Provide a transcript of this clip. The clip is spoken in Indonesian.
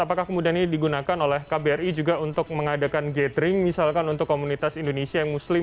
apakah kemudian ini digunakan oleh kbri juga untuk mengadakan gathering misalkan untuk komunitas indonesia yang muslim